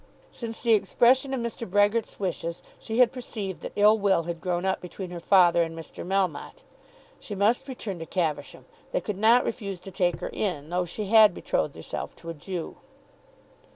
Since the expression of Mr. Brehgert's wishes she had perceived that ill will had grown up between her father and Mr. Melmotte. She must return to Caversham. They could not refuse to take her in, though she had betrothed herself to a Jew!